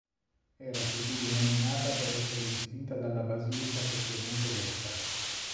Era così denominata per essere distinta dalla basilica propriamente detta.